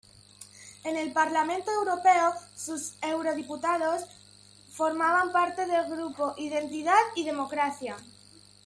En el Parlamento Europeo, sus eurodiputados forman parte del grupo Identidad y Democracia.